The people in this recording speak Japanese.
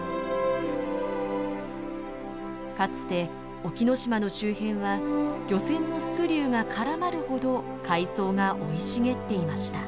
かつて沖ノ島の周辺は漁船のスクリューが絡まるほど海藻が生い茂っていました。